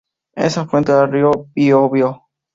Es afluente del río Biobío.